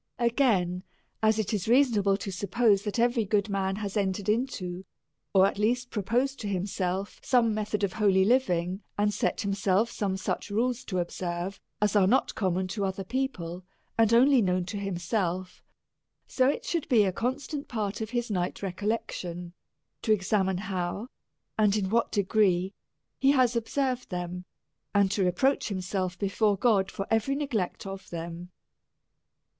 Again : As it is reasonable to suppose, that every good man has entered into, or at least proposed to himself^ some method of holy living, and set himself some such rules to observe, as are not common to other people, and only known to himself; so it should be a constant part of his night recollection, to examine how and in what degree he has observed them, and to reproach himself before God for every neglect of them.